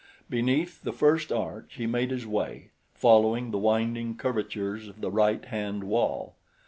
Beneath the first arch he made his way, following the winding curvatures of the right hand wall.